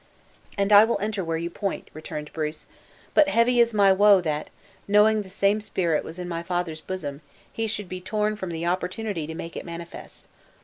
"And I will enter where you point," returned Bruce; "but heavy is my woe that, knowing the same spirit was in my father's bosom, he should be torn from the opportunity to make it manifest.